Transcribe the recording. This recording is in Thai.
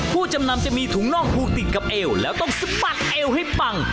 ผู้จำนำจะมีถุงน่องผูกติดกับเอวแล้วต้องสะบัดเอวให้ปัง